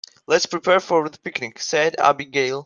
"Let's prepare for the picnic!", said Abigail.